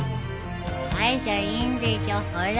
返しゃいいんでしょほら。